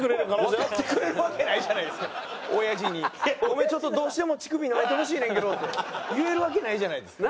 「ごめんちょっとどうしても乳首なめてほしいねんけど」って言えるわけないじゃないですか。